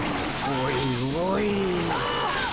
おいおい。